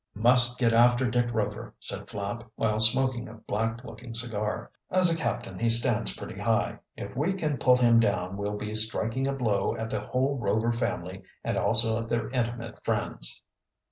"We must get after Dick Rover," said Flapp, while smoking a black looking cigar. "As a captain he stands pretty high. If we can pull him down we'll be striking a blow at the whole Rover family and also at their intimate friends."